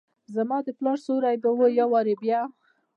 زماد پلار سیوری به ، یو وارې بیا،